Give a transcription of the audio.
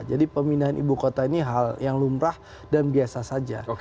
jadi pemindahan ibu kota ini hal yang lumrah dan biasa saja